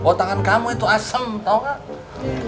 oh tangan kamu itu asem tau gak